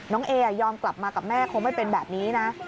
เอยอมกลับมากับแม่คงไม่เป็นแบบนี้นะ